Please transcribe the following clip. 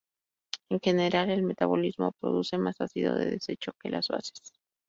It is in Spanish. En general, el metabolismo produce más ácidos de desecho que las bases.